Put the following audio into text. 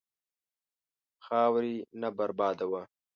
خاورې نه بربادوه.